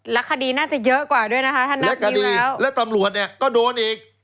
แล้วคดีน่าจะเยอะกว่าด้วยนะคะท่านน่าจะรู้แล้วแล้วตำรวจเนี่ยก็โดนอีก